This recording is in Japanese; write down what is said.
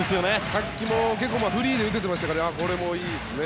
さっきもフリーで打ててましたからね。